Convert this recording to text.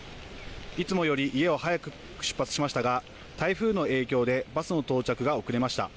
いつもより家を早く出発しましたが台風の影響でバスの到着が遅れました。